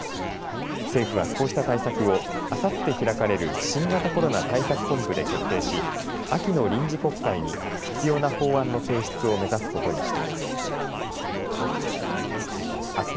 政府は、こうした対策をあさって開かれる新型コロナ対策本部で決定し秋の臨時国会に必要な法案の提出を目指すことにしています。